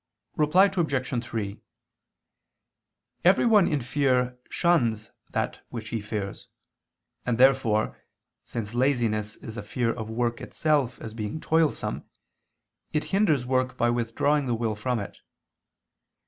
Reply Obj. 3: Everyone in fear shuns that which he fears: and therefore, since laziness is a fear of work itself as being toilsome, it hinders work by withdrawing the will from it.